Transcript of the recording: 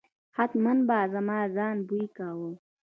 حتمآ به زما ځان بوی کاوه.